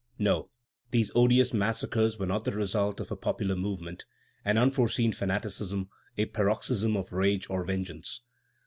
No; these odious massacres were not the result of a popular movement, an unforeseen fanaticism, a paroxysm of rage or vengeance.